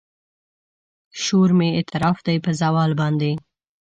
شور مې اعتراف دی په زوال باندې